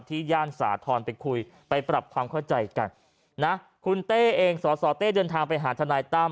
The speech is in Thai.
ย่านสาธรณ์ไปคุยไปปรับความเข้าใจกันนะคุณเต้เองสสเต้เดินทางไปหาทนายตั้ม